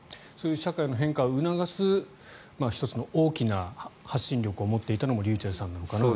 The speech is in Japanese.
社会の変化を促す１つの大きな発信力を持っていたのもｒｙｕｃｈｅｌｌさんなのかなと。